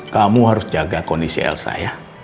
kamu harus jaga kondisi elsa ya